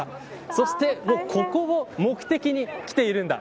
そしてここを目的に来ているんだ。